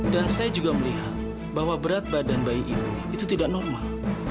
dan saya juga melihat bahwa berat badan bayi ibu itu tidak normal